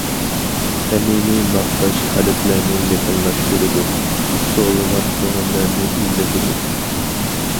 سەمىمىي ماختاش قەلبلەرنى يېقىنلاشتۇرىدۇ، سوۋۇغان كۆڭۈللەرنى ئىللىتىدۇ.